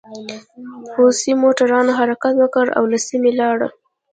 پوځي موټرونو حرکت وکړ او له سیمې لاړل